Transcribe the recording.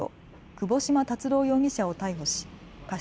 窪島達郎容疑者を逮捕し過失